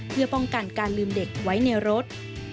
เพื่อป้องกันการลืมเด็กไว้ในรถ